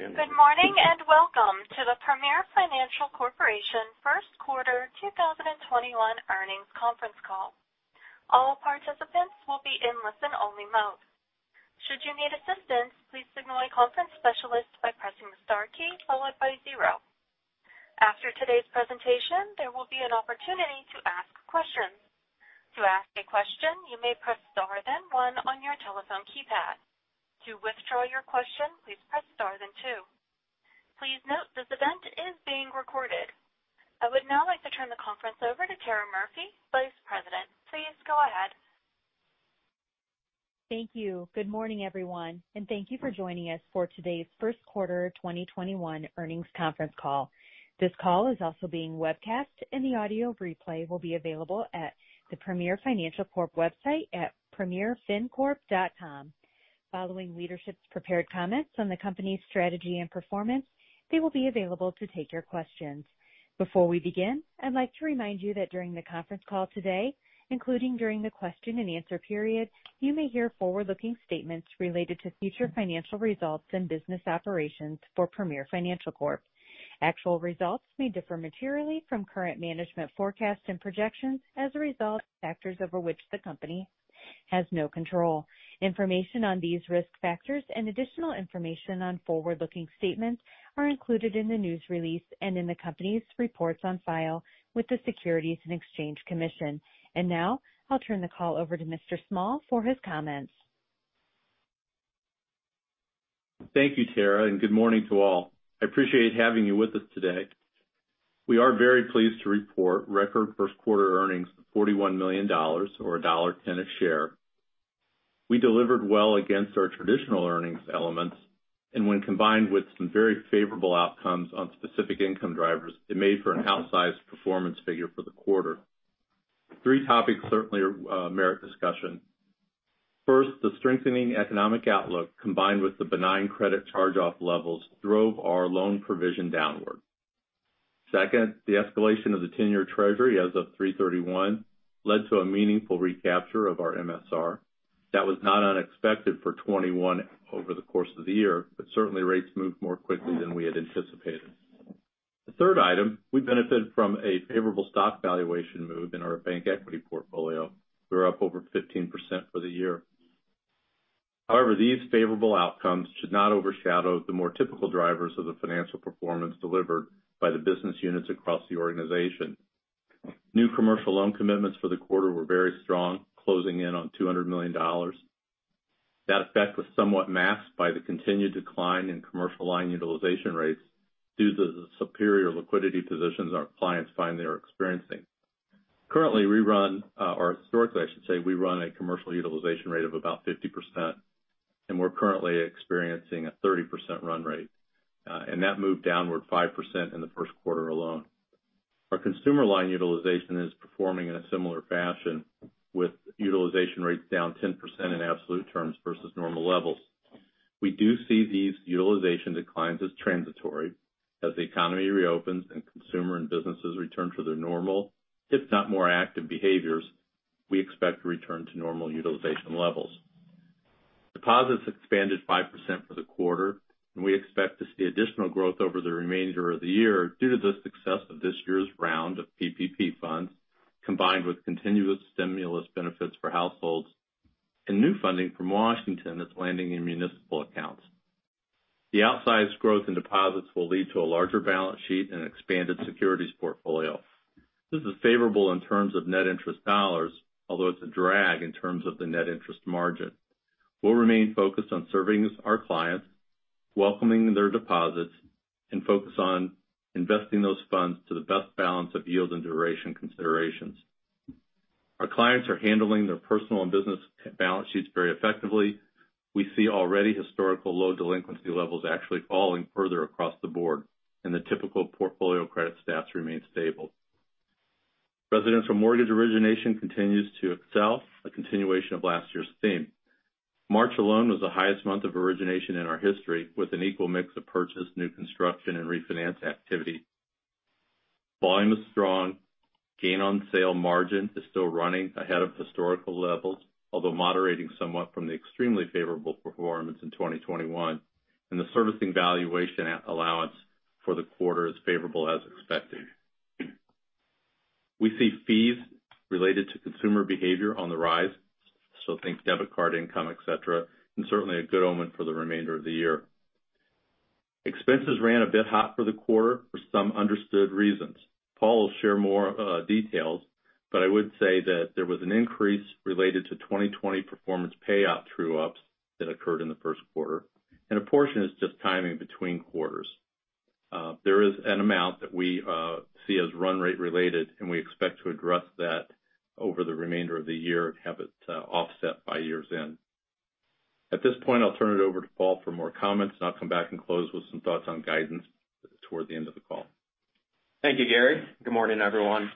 Good morning, welcome to the Premier Financial Corporation first quarter 2021 earnings conference call. All participants will be in listen-only mode. Should you need assistance, please signal a conference specialist by pressing the star key followed by zero. After today's presentation, there will be an opportunity to ask questions. To ask a question, you may press star then one on your telephone keypad. To withdraw your question, please press star then two. Please note this event is being recorded. I would now like to turn the conference over to Tera Murphy, Vice President. Please go ahead. Thank you. Good morning, everyone, and thank you for joining us for today's first quarter 2021 earnings conference call. This call is also being webcast, and the audio replay will be available at the Premier Financial Corporation website at premierfincorp.com. Following leadership's prepared comments on the company's strategy and performance, they will be available to take your questions. Before we begin, I'd like to remind you that during the conference call today, including during the question-and-answer period, you may hear forward-looking statements related to future financial results and business operations for Premier Financial Corp. Actual results may differ materially from current management forecasts and projections as a result of factors over which the company has no control. Information on these risk factors and additional information on forward-looking statements are included in the news release and in the company's reports on file with the Securities and Exchange Commission. Now, I'll turn the call over to Mr. Small for his comments. Thank you, Tera, good morning to all. I appreciate having you with us today. We are very pleased to report record first-quarter earnings of $41 million, or $1.10 a share. When combined with some very favorable outcomes on specific income drivers, it made for an outsized performance figure for the quarter. Three topics certainly merit discussion. First, the strengthening economic outlook, combined with the benign credit charge-off levels, drove our loan provision downward. Second, the escalation of the ten-year Treasury as of 3/31 led to a meaningful recapture of our MSR. That was not unexpected for 2021 over the course of the year, Certainly rates moved more quickly than we had anticipated. The third item, we benefited from a favorable stock valuation move in our bank equity portfolio. We're up over 15% for the year. However, these favorable outcomes should not overshadow the more typical drivers of the financial performance delivered by the business units across the organization. New commercial loan commitments for the quarter were very strong, closing in on $200 million. That effect was somewhat masked by the continued decline in commercial line utilization rates due to the superior liquidity positions our clients finally are experiencing. Currently, or historically, I should say, we run a commercial utilization rate of about 50%, and we're currently experiencing a 30% run rate. That moved downward 5% in the first quarter alone. Our consumer line utilization is performing in a similar fashion, with utilization rates down 10% in absolute terms versus normal levels. We do see these utilization declines as transitory as the economy reopens and consumer and businesses return to their normal, if not more active behaviors, we expect to return to normal utilization levels. Deposits expanded 5% for the quarter, and we expect to see additional growth over the remainder of the year due to the success of this year's round of PPP funds, combined with continuous stimulus benefits for households and new funding from Washington that's landing in municipal accounts. The outsized growth in deposits will lead to a larger balance sheet and expanded securities portfolio. This is favorable in terms of net interest dollars, although it's a drag in terms of the net interest margin. We'll remain focused on serving our clients, welcoming their deposits, and focus on investing those funds to the best balance of yield and duration considerations. Our clients are handling their personal and business balance sheets very effectively. We see already historical low delinquency levels actually falling further across the board, and the typical portfolio credit stats remain stable. Residential mortgage origination continues to excel, a continuation of last year's theme. March alone was the highest month of origination in our history, with an equal mix of purchase, new construction, and refinance activity. Volume is strong. Gain-on-sale margin is still running ahead of historical levels, although moderating somewhat from the extremely favorable performance in 2021, and the servicing valuation allowance for the quarter is favorable as expected. We see fees related to consumer behavior on the rise, so think debit card income, et cetera, and certainly a good omen for the remainder of the year. Expenses ran a bit hot for the quarter for some understood reasons. Paul will share more details, but I would say that there was an increase related to 2020 performance payout true-ups that occurred in the first quarter, and a portion is just timing between quarters. There is an amount that we see as run rate related, and we expect to address that over the remainder of the year and have it offset by years' end. At this point, I'll turn it over to Paul for more comments, and I'll come back and close with some thoughts on guidance toward the end of the call. Thank you, Gary. Good morning, everyone.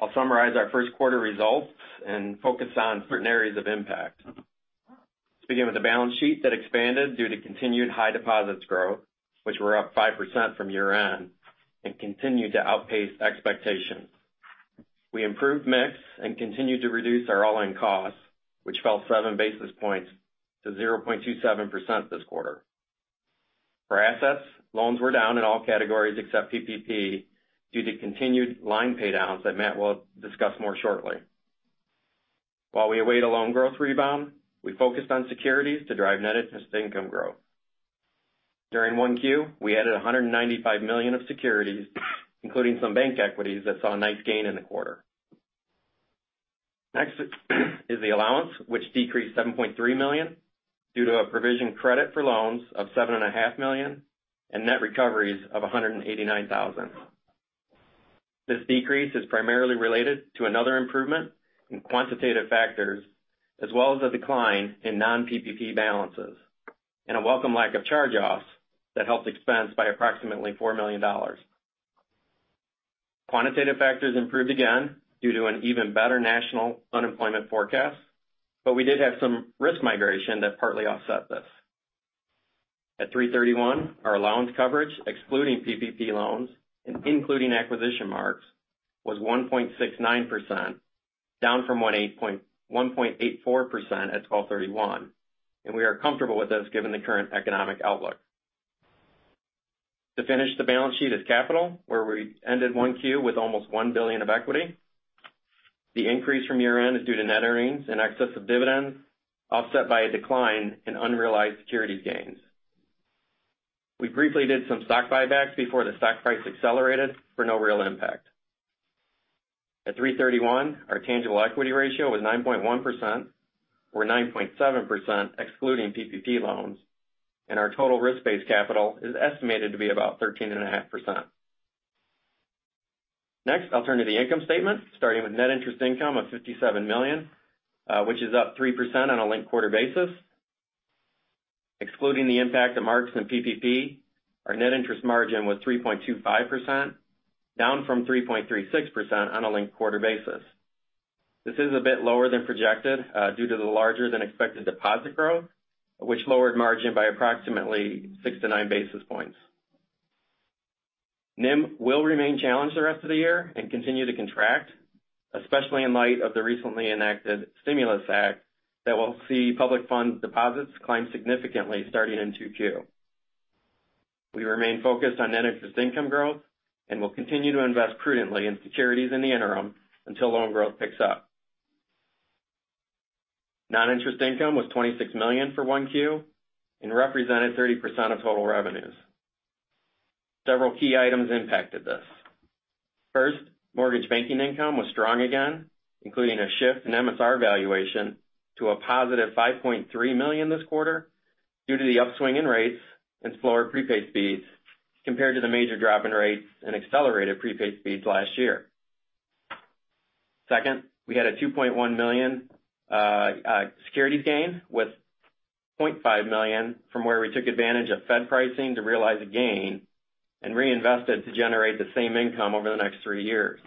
I'll summarize our first quarter results and focus on certain areas of impact. Let's begin with the balance sheet that expanded due to continued high deposits growth, which were up 5% from year-end and continued to outpace expectations. We improved mix and continued to reduce our all-in costs, which fell seven basis points to 0.27% this quarter. For assets, loans were down in all categories except PPP due to continued line paydowns that Matt will discuss more shortly. While we await a loan growth rebound, we focused on securities to drive net interest income growth. During 1Q, we added $195 million of securities, including some bank equities that saw a nice gain in the quarter. Next is the allowance, which decreased $7.3 million due to a provision credit for loans of $7.5 Million and net recoveries of $189,000. This decrease is primarily related to another improvement in quantitative factors, as well as a decline in non-PPP balances and a welcome lack of charge-offs that helped expense by approximately $4 million. Quantitative factors improved again due to an even better national unemployment forecast, but we did have some risk migration that partly offset this. At 3/31, our allowance coverage, excluding PPP loans and including acquisition marks, was 1.69%, down from 1.84% at 12/31, and we are comfortable with this given the current economic outlook. To finish the balance sheet is capital, where we ended Q1 with almost $1 billion of equity. The increase from year-end is due to net earnings in excess of dividends, offset by a decline in unrealized security gains. We briefly did some stock buybacks before the stock price accelerated for no real impact. At 3/31, our tangible equity ratio was 9.1%, or 9.7% excluding PPP loans, and our total risk-based capital is estimated to be about 13.5%. I'll turn to the income statement, starting with net interest income of $57 million, which is up 3% on a linked-quarter basis. Excluding the impact of marks in PPP, our net interest margin was 3.25%, down from 3.36% on a linked-quarter basis. This is a bit lower than projected due to the larger than expected deposit growth, which lowered margin by approximately six to nine basis points. NIM will remain challenged the rest of the year and continue to contract, especially in light of the recently enacted Stimulus Act that will see public fund deposits climb significantly starting in 2Q. We remain focused on net interest income growth and will continue to invest prudently in securities in the interim until loan growth picks up. Non-interest income was $26 million for 1Q and represented 30% of total revenues. Several key items impacted this. First, mortgage banking income was strong again, including a shift in MSR valuation to a positive $5.3 million this quarter due to the upswing in rates and slower prepayment speeds compared to the major drop in rates and accelerated prepayment speeds last year. Second, we had a $2.1 million securities gain, with $0.5 million from where we took advantage of Fed pricing to realize a gain and reinvest it to generate the same income over the next three years.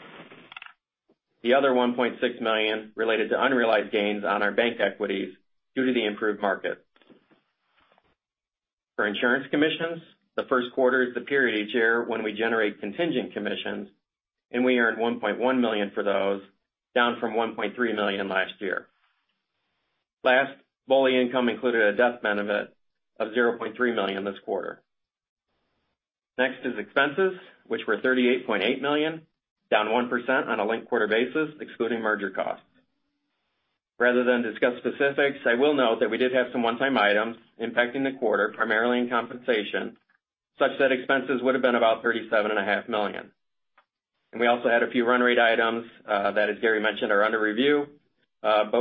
The other $1.6 million related to unrealized gains on our bank equities due to the improved market. For insurance commissions, the first quarter is the period each year when we generate contingent commissions, and we earned $1.1 million for those, down from $1.3 million last year. BOLI income included a death benefit of $0.3 million this quarter. Expenses, which were $38.8 million, down 1% on a linked-quarter basis, excluding merger costs. Rather than discuss specifics, I will note that we did have some one-time items impacting the quarter, primarily in compensation, such that expenses would've been about $37.5 million. We also had a few run rate items that, as Gary mentioned, are under review.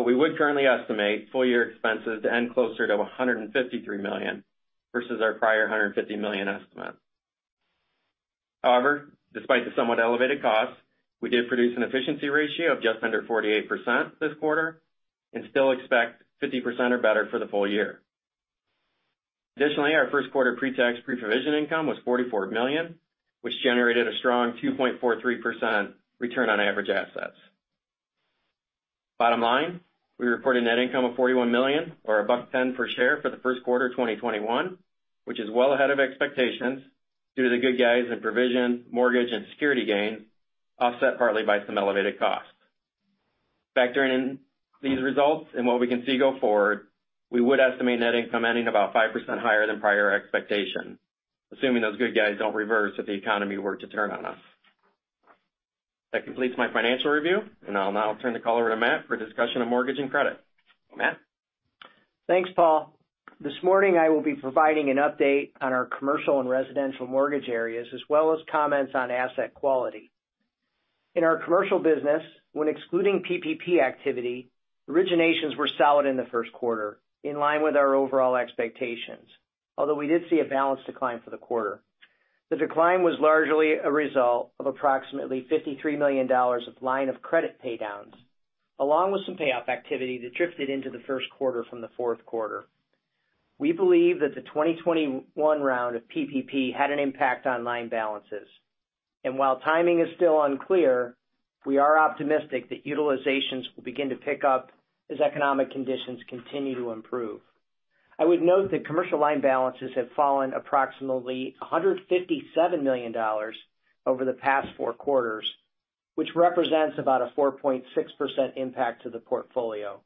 We would currently estimate full year expenses to end closer to $153 million versus our prior $150 million estimate. However, despite the somewhat elevated costs, we did produce an efficiency ratio of just under 48% this quarter and still expect 50% or better for the full year. Additionally, our first quarter pre-tax, pre-provision income was $44 million, which generated a strong 2.43% return on average assets. Bottom line, we reported net income of $41 million or $1.10 per share for the first quarter of 2021, which is well ahead of expectations due to the good guys in provision, mortgage, and security gains, offset partly by some elevated costs. Factoring in these results and what we can see go forward, we would estimate net income ending about 5% higher than prior expectations, assuming those good guys don't reverse if the economy were to turn on us. That completes my financial review. I'll now turn the call over to Matt for a discussion of mortgage and credit. Matt? Thanks, Paul. This morning, I will be providing an update on our commercial and residential mortgage areas, as well as comments on asset quality. In our commercial business, when excluding PPP activity, originations were solid in the first quarter, in line with our overall expectations. We did see a balance decline for the quarter. The decline was largely a result of approximately $53 million of line of credit paydowns, along with some payoff activity that drifted into the first quarter from the fourth quarter. We believe that the 2021 round of PPP had an impact on line balances. While timing is still unclear, we are optimistic that utilizations will begin to pick up as economic conditions continue to improve. I would note that commercial line balances have fallen approximately $157 million over the past four quarters, which represents about a 4.6% impact to the portfolio.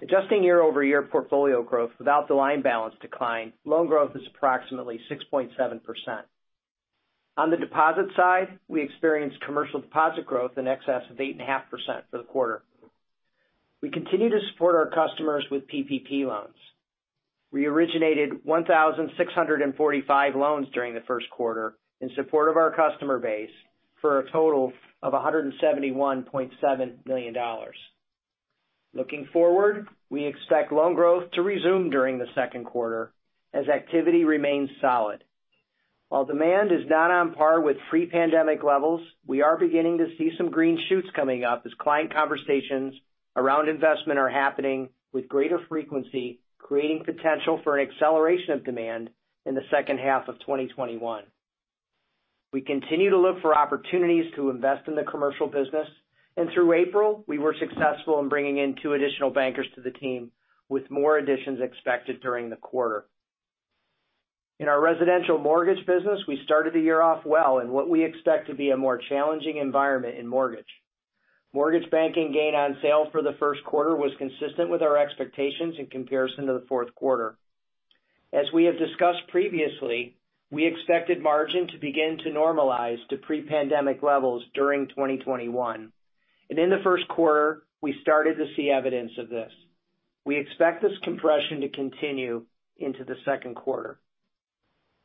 Adjusting year-over-year portfolio growth without the line balance decline, loan growth is approximately 6.7%. On the deposit side, we experienced commercial deposit growth in excess of 8.5% for the quarter. We continue to support our customers with PPP loans. We originated 1,645 loans during the first quarter in support of our customer base for a total of $171.7 million. Looking forward, we expect loan growth to resume during the second quarter as activity remains solid. While demand is not on par with pre-pandemic levels, we are beginning to see some green shoots coming up as client conversations around investment are happening with greater frequency, creating potential for an acceleration of demand in the second half of 2021. We continue to look for opportunities to invest in the commercial business, and through April, we were successful in bringing in two additional bankers to the team, with more additions expected during the quarter. In our residential mortgage business, we started the year off well in what we expect to be a more challenging environment in mortgage. Mortgage banking gain-on-sale for the first quarter was consistent with our expectations in comparison to the fourth quarter. As we have discussed previously, we expected margin to begin to normalize to pre-pandemic levels during 2021. In the first quarter, we started to see evidence of this. We expect this compression to continue into the second quarter.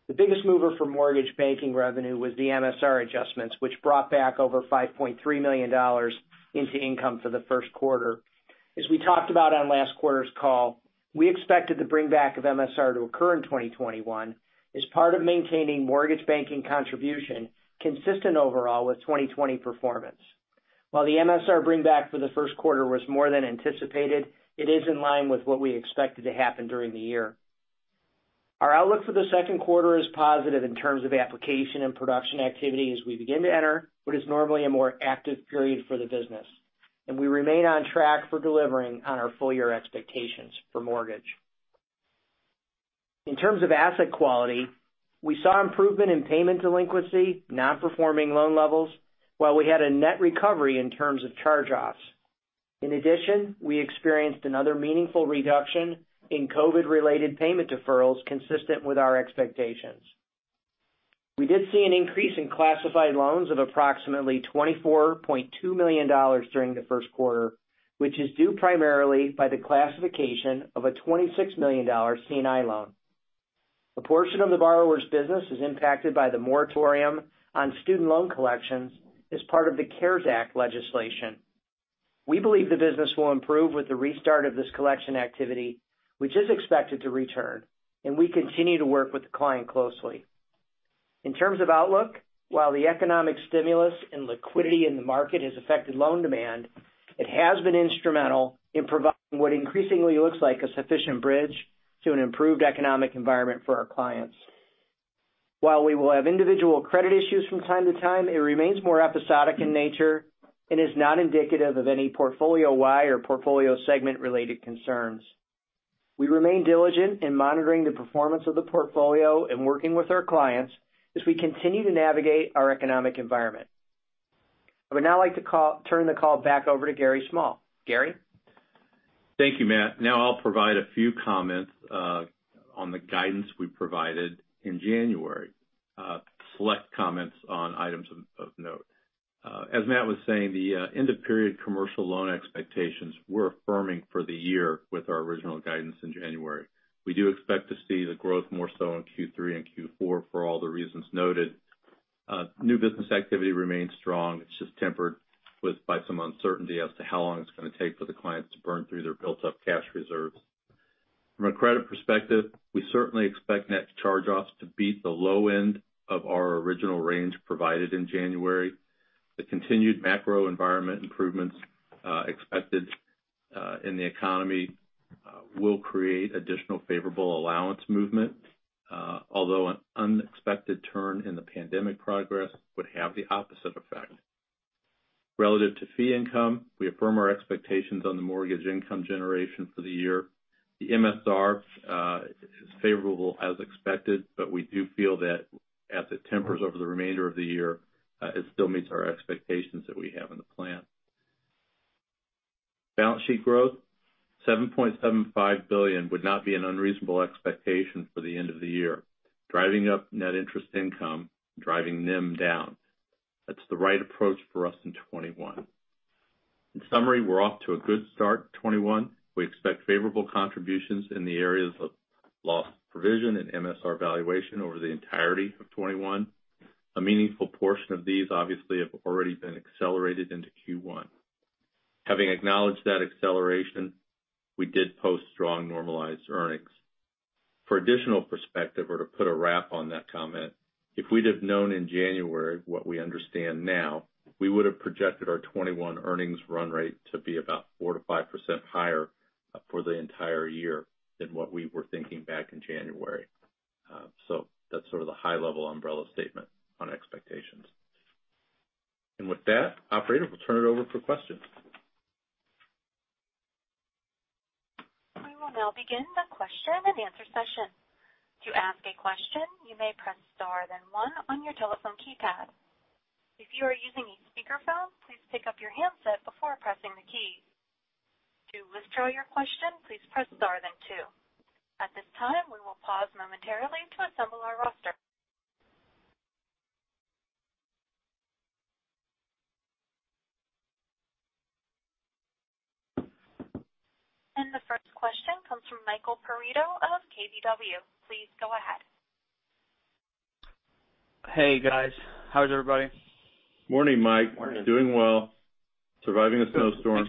The biggest mover for mortgage banking revenue was the MSR adjustments, which brought back over $5.3 million into income for the first quarter. As we talked about on last quarter's call, we expected the bring back of MSR to occur in 2021 as part of maintaining mortgage banking contribution consistent overall with 2020 performance. While the MSR bring back for the first quarter was more than anticipated, it is in line with what we expected to happen during the year. Our outlook for the second quarter is positive in terms of application and production activity as we begin to enter what is normally a more active period for the business, and we remain on track for delivering on our full-year expectations for mortgage. In terms of asset quality, we saw improvement in payment delinquency, non-performing loan levels while we had a net recovery in terms of charge-offs. In addition, we experienced another meaningful reduction in COVID-related payment deferrals consistent with our expectations. We did see an increase in classified loans of approximately $24.2 million during the first quarter, which is due primarily by the classification of a $26 million C&I loan. A portion of the borrower's business is impacted by the moratorium on student loan collections as part of the CARES Act legislation. We believe the business will improve with the restart of this collection activity, which is expected to return, and we continue to work with the client closely. In terms of outlook, while the economic stimulus and liquidity in the market has affected loan demand, it has been instrumental in providing what increasingly looks like a sufficient bridge to an improved economic environment for our clients. While we will have individual credit issues from time to time, it remains more episodic in nature and is not indicative of any portfolio-wide or portfolio segment related concerns. We remain diligent in monitoring the performance of the portfolio and working with our clients as we continue to navigate our economic environment. I would now like to turn the call back over to Gary Small. Gary? Thank you, Matt. Now I'll provide a few comments on the guidance we provided in January. Select comments on items of note. As Matt was saying, the end of period commercial loan expectations were firming for the year with our original guidance in January. We do expect to see the growth more so in Q3 and Q4 for all the reasons noted. New business activity remains strong. It's just tempered by some uncertainty as to how long it's going to take for the clients to burn through their built-up cash reserves. From a credit perspective, we certainly expect net charge-offs to beat the low end of our original range provided in January. The continued macro environment improvements expected in the economy will create additional favorable allowance movement. Although an unexpected turn in the pandemic progress would have the opposite effect. Relative to fee income, we affirm our expectations on the mortgage income generation for the year. The MSR is favorable as expected, but we do feel that as it tempers over the remainder of the year, it still meets our expectations that we have in the plan. Balance sheet growth, $7.75 billion would not be an unreasonable expectation for the end of the year, driving up net interest income, driving NIM down. That's the right approach for us in 2021. In summary, we're off to a good start in 2021. We expect favorable contributions in the areas of loss provision and MSR valuation over the entirety of 2021. A meaningful portion of these obviously have already been accelerated into Q1. Having acknowledged that acceleration, we did post strong normalized earnings. For additional perspective or to put a wrap on that comment, if we'd have known in January what we understand now, we would have projected our 2021 earnings run rate to be about 4%-5% higher for the entire year than what we were thinking back in January. That's sort of the high-level umbrella statement on expectations. With that, operator, we'll turn it over for questions. We will now begin the question and answer session. To ask a question, you may press star then one on your telephone keypad. If you are using a speakerphone, please pick up your handset before pressing the key. To withdraw your question, please press star then two. At this time, we will pause momentarily to assemble our roster. The first question comes from Michael Perito of KBW. Please go ahead. Hey, guys. How is everybody? Morning, Mike. Morning. Doing well. Surviving a snowstorm.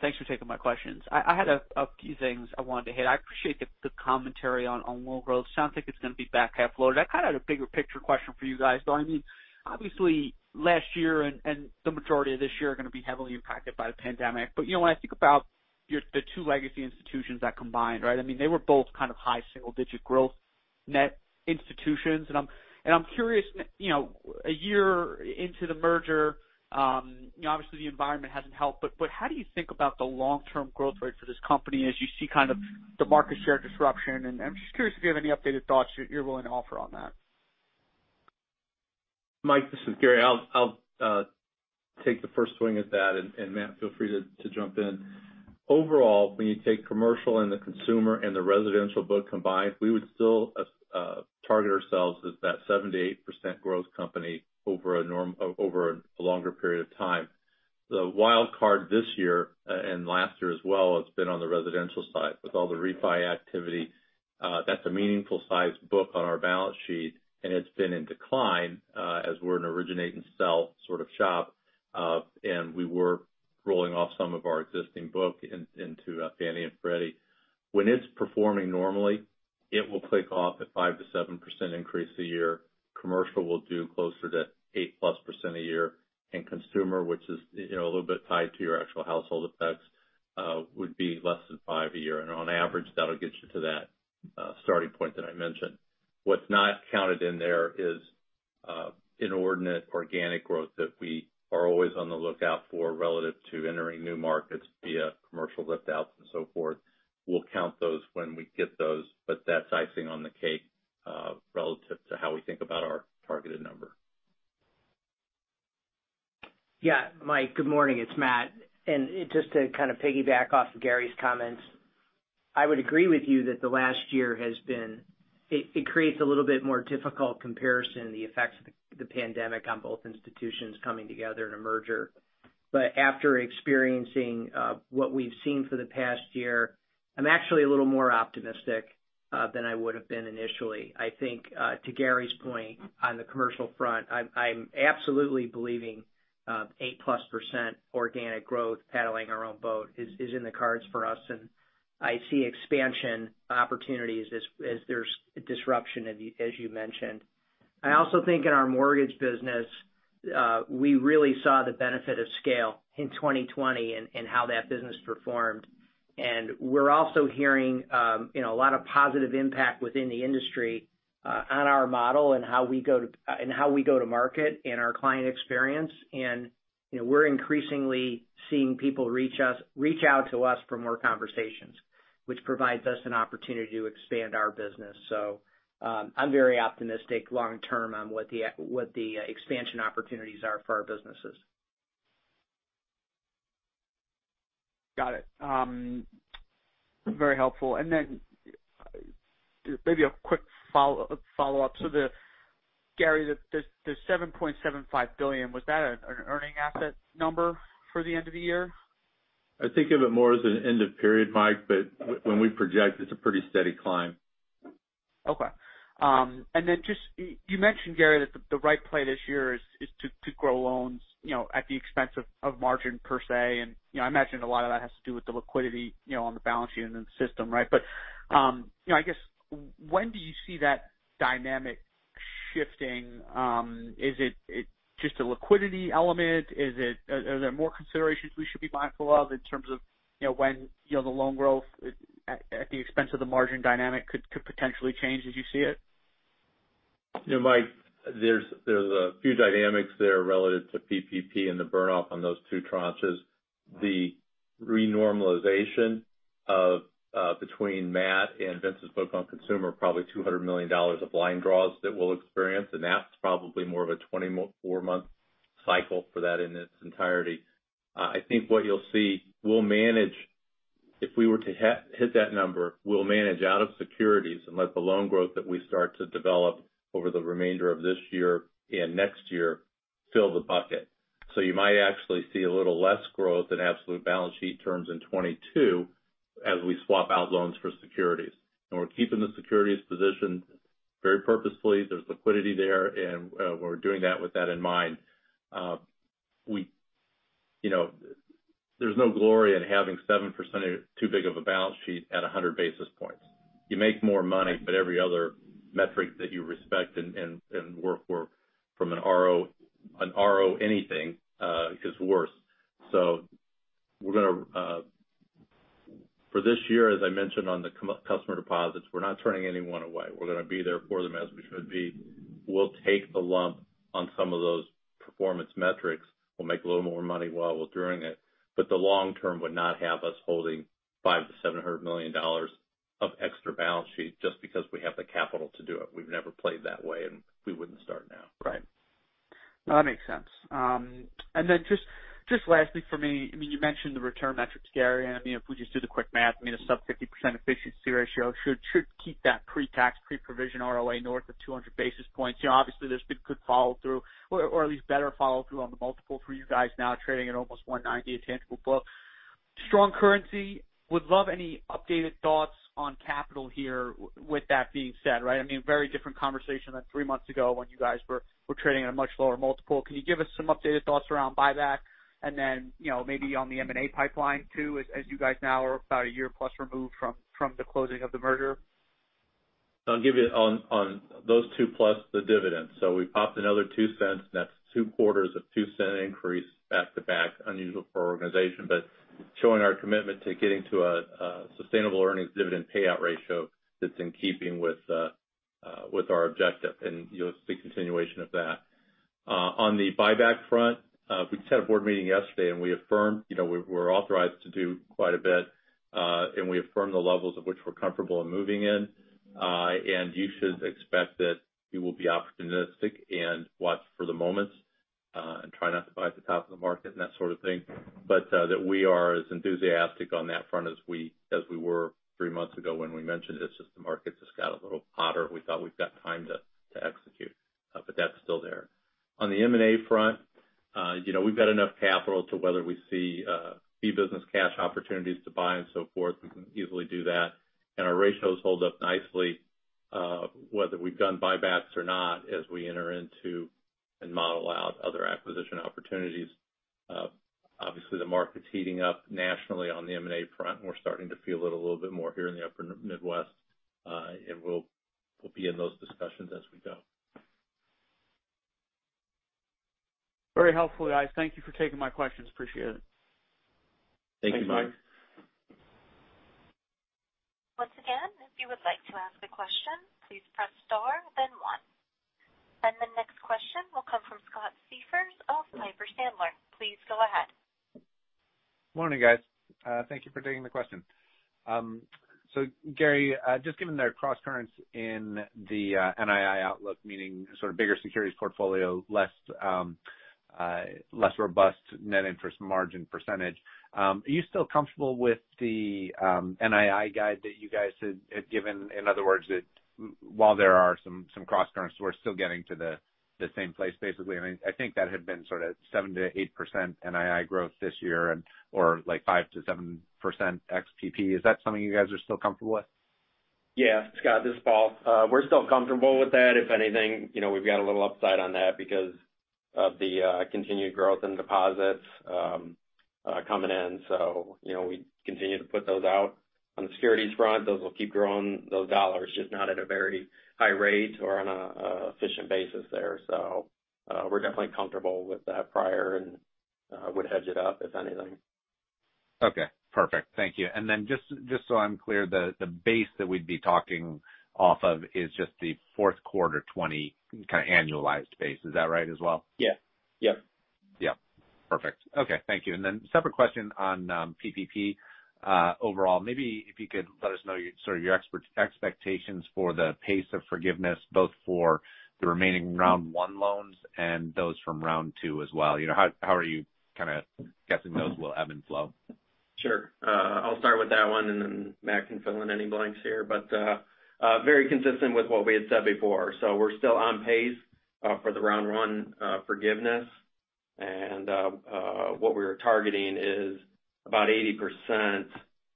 Thanks for taking my questions. I had a few things I wanted to hit. I appreciate the commentary on loan growth. Sounds like it's going to be back half loaded. I kind of had a bigger picture question for you guys, though. Obviously, last year and the majority of this year are going to be heavily impacted by the pandemic. When I think about the two legacy institutions that combined, right? They were both kind of high single-digit growth net institutions. I'm curious, a year into the merger, obviously the environment hasn't helped, but how do you think about the long-term growth rate for this company as you see kind of the market share disruption? I'm just curious if you have any updated thoughts you're willing to offer on that. Mike, this is Gary. I'll take the first swing at that, and Matt, feel free to jump in. Overall, when you take commercial and the consumer and the residential book combined, we would still target ourselves as that 7%-8% growth company over a longer period of time. The wild card this year, and last year as well, has been on the residential side with all the refi activity. That's a meaningful-sized book on our balance sheet, and it's been in decline, as we're an originate and sell sort of shop. And we were rolling off some of our existing book into Fannie and Freddie. When it's performing normally, it will click off a 5%-7% increase a year. Commercial will do closer to 8%+ a year. Consumer, which is a little bit tied to your actual household effects, would be less than five a year. On average, that'll get you to that starting point that I mentioned. What's not counted in there is inordinate organic growth that we are always on the lookout for relative to entering new markets via commercial lift outs and so forth. We'll count those when we get those, but that's icing on the cake, relative to how we think about our targeted number. Yeah. Mike, good morning. It's Matt. Just to kind of piggyback off of Gary's comments, I would agree with you that the last year, it creates a little bit more difficult comparison, the effects of the pandemic on both institutions coming together in a merger. After experiencing what we've seen for the past year, I'm actually a little more optimistic than I would've been initially. I think, to Gary's point on the commercial front, I'm absolutely believing 8%+ organic growth paddling our own boat is in the cards for us, and I see expansion opportunities as there's disruption as you mentioned. I also think in our mortgage business, we really saw the benefit of scale in 2020 and how that business performed. We're also hearing a lot of positive impact within the industry on our model and how we go to market and our client experience. We're increasingly seeing people reach out to us for more conversations, which provides us an opportunity to expand our business. I'm very optimistic long term on what the expansion opportunities are for our businesses. Got it. Very helpful. Maybe a quick follow-up. Gary, the $7.75 billion, was that an earning asset number for the end of the year? I think of it more as an end of period, Mike, but when we project, it's a pretty steady climb. Okay. Then just, you mentioned, Gary, that the right play this year is to grow loans at the expense of margin per se. I imagine a lot of that has to do with the liquidity on the balance sheet and then the system, right? I guess when do you see that dynamic shifting? Is it just a liquidity element? Are there more considerations we should be mindful of in terms of when the loan growth at the expense of the margin dynamic could potentially change as you see it? Mike, there's a few dynamics there relative to PPP and the burn-off on those two tranches. The renormalization between Matt and Vince's book on consumer, probably $200 million of line draws that we'll experience, and that's probably more of a 24-month cycle for that in its entirety. I think what you'll see, if we were to hit that number, we'll manage out of securities and let the loan growth that we start to develop over the remainder of this year and next year fill the bucket. You might actually see a little less growth in absolute balance sheet terms in 2022 as we swap out loans for securities. We're keeping the securities positioned very purposefully. There's liquidity there, and we're doing that with that in mind. There's no glory in having 7% too big of a balance sheet at 100 basis points. You make more money, but every other metric that you respect and work for from an ROA anything, is worse. For this year, as I mentioned on the customer deposits, we're not turning anyone away. We're going to be there for them as we should be. We'll take the lump on some of those performance metrics. We'll make a little more money while we're doing it. The long term would not have us holding $500 million-$700 million of extra balance sheet just because we have the capital to do it. We've never played that way, and we wouldn't start now. Right. No, that makes sense. Then just lastly for me, you mentioned the return metrics, Gary, and if we just do the quick math, a sub 50% efficiency ratio should keep that pre-tax, pre-provision ROA north of 200 basis points. Obviously, there's been good follow-through, or at least better follow-through on the multiple for you guys now trading at almost 190 tangible book. Strong currency. Would love any updated thoughts on capital here with that being said, right? Very different conversation than three months ago when you guys were trading at a much lower multiple. Can you give us some updated thoughts around buyback and then maybe on the M&A pipeline too, as you guys now are about one year plus removed from the closing of the merger? I'll give you on those two plus the dividend. We popped another $0.02. That's two quarters of $0.02 increase back-to-back. Unusual for our organization, but showing our commitment to getting to a sustainable earnings dividend payout ratio that's in keeping with our objective, and you'll see continuation of that. On the buyback front, we just had a board meeting yesterday, and we affirmed we're authorized to do quite a bit, and we affirmed the levels of which we're comfortable in moving in. You should expect that we will be opportunistic and watch for the moments, and try not to buy at the top of the market and that sort of thing. That we are as enthusiastic on that front as we were three months ago when we mentioned it. It's just the market just got a little hotter. We thought we've got time to execute. That's still there. On the M&A front, we've got enough capital to whether we see fee business cash opportunities to buy and so forth, we can easily do that, and our ratios hold up nicely whether we've done buybacks or not as we enter into and model out other acquisition opportunities. Obviously, the market's heating up nationally on the M&A front, and we're starting to feel it a little bit more here in the upper Midwest. We'll be in those discussions as we go. Very helpful, guys. Thank you for taking my questions. Appreciate it. Thank you, Mike. Once again, if you will like to ask a question, please press star then one. The next question will come from Scott Siefers of Piper Sandler. Please go ahead. Morning, guys. Thank you for taking the question. Gary, just given the cross currents in the NII outlook, meaning sort of bigger securities portfolio, less robust net interest margin percentage, are you still comfortable with the NII guide that you guys had given? In other words, that while there are some cross currents, we're still getting to the same place, basically. I think that had been sort of 7%-8% NII growth this year or 5%-7% ex-PPP. Is that something you guys are still comfortable with? Yeah, Scott, this is Paul. We're still comfortable with that. If anything, we've got a little upside on that because of the continued growth in deposits coming in. We continue to put those out. On the securities front, those will keep growing those dollars, just not at a very high rate or on an efficient basis there. We're definitely comfortable with that prior and would hedge it up if anything. Okay, perfect. Thank you. Just so I'm clear, the base that we'd be talking off of is just the fourth quarter 2020 kind of annualized base. Is that right as well? Yeah. Yeah. Perfect. Okay. Thank you. Separate question on PPP overall, maybe if you could let us know sort of your expert expectations for the pace of forgiveness, both for the remaining round one loans and those from round two as well. How are you kind of guessing those will ebb and flow? I'll start with that one, and then Matt can fill in any blanks here. Very consistent with what we had said before. We're still on pace for the round one forgiveness. What we were targeting is about 80%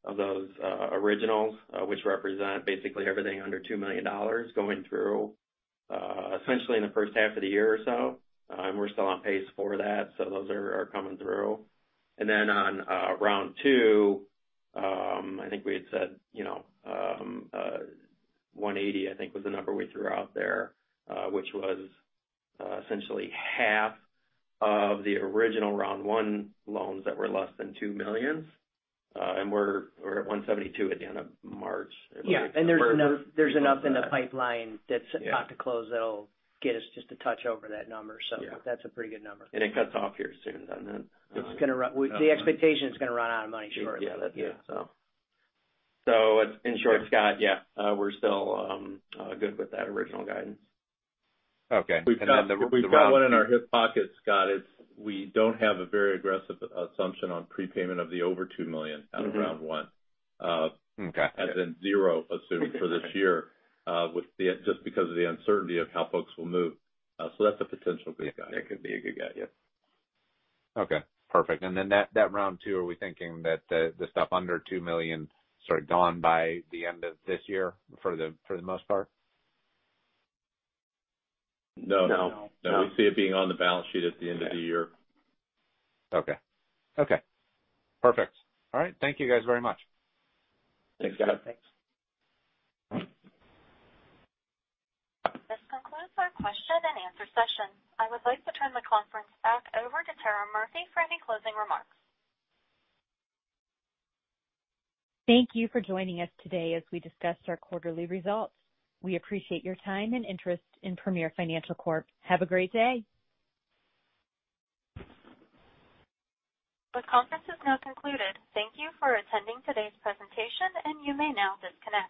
of those originals which represent basically everything under $2 million going through essentially in the first half of the year or so. We're still on pace for that. Those are coming through. On round two, I think we had said 180, I think was the number we threw out there, which was essentially half of the original round one loans that were less than $2 million. We're at 172 at the end of March. Yeah. There's enough in the pipeline that's about to close that'll get us just a touch over that number. Yeah. That's a pretty good number. It cuts off here soon, doesn't it? The expectation is it's going to run out of money shortly. Yeah. That's it. In short, Scott, yeah, we're still good with that original guidance. Okay. We've got one in our hip pocket, Scott. We don't have a very aggressive assumption on prepayment of the over $2 million out of round one. Okay. As in zero, assuming for this year, just because of the uncertainty of how folks will move. That's a potential good guide. It could be a good guide, yeah. Okay, perfect. That round two, are we thinking that the stuff under $2 million sort of gone by the end of this year for the most part? No. No. We see it being on the balance sheet at the end of the year. Okay. Perfect. All right. Thank you guys very much. Thanks, Scott. Thanks. This concludes our question and answer session. I would like to turn the conference back over to Tera Murphy for any closing remarks. Thank you for joining us today as we discussed our quarterly results. We appreciate your time and interest in Premier Financial Corp. Have a great day. This conference is now concluded. Thank you for attending today's presentation, and you may now disconnect.